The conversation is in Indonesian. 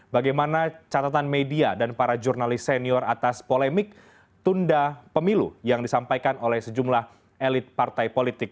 bagaimana catatan media dan para jurnalis senior atas polemik tunda pemilu yang disampaikan oleh sejumlah elit partai politik